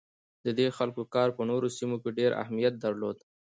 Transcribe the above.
د دې خلکو کار په نوو سیمو کې ډیر اهمیت درلود.